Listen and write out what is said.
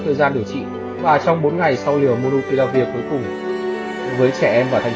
thời gian điều trị và trong bốn ngày sau liều monopiravir cuối cùng với trẻ em và thành